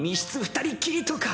二人っきりとか